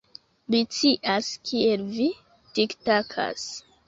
Li scias kiel vi tiktakas.